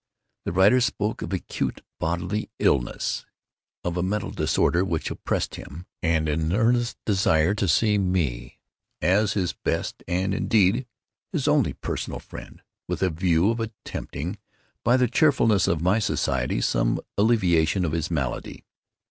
The writer spoke of acute bodily illness—of a mental disorder which oppressed him—and of an earnest desire to see me, as his best, and indeed his only personal friend, with a view of attempting, by the cheerfulness of my society, some alleviation of his malady.